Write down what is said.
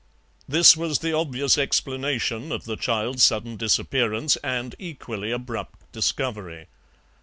This was the obvious explanation of the child's sudden disappearance and equally abrupt discovery.